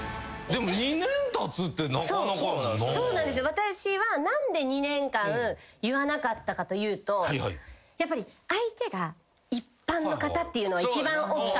私は何で２年間言わなかったかというとやっぱり相手が一般の方っていうのが一番大きかったんですよ。